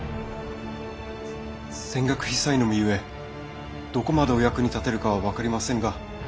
せ浅学非才の身ゆえどこまでお役に立てるかは分かりませぬが！